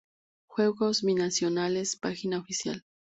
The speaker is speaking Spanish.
Juegos Binacionales, página oficial